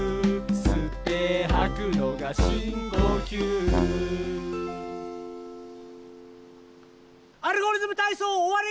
「すってはくのがしんこきゅう」「アルゴリズムたいそう」おわり！